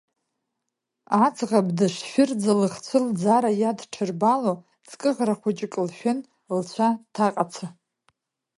Аӡӷаб дышшәырӡа, лыхцәы лӡара иадҽырбало, ҵкы ӷра хәыҷык лшәын, лцәа дҭаҟаца.